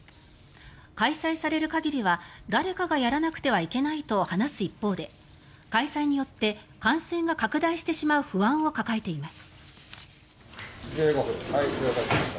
開催される限りは誰かがやらなくてはいけないと話す一方で開催によって感染が拡大してしまう不安を抱えています。